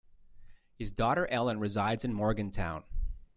His daughter Ellen resides in Morgantown.